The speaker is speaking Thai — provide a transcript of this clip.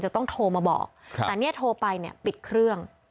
ต้องโทรมาบอกแต่เนี่ยโทรไปเนี่ยปิดเครื่อง